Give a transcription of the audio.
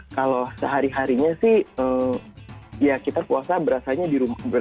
kalau sehari harinya sih ya kita puasa berasanya di rumah